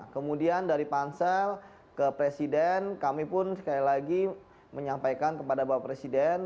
kemudian dari pansel ke presiden kami pun sekali lagi menyampaikan kepada bapak presiden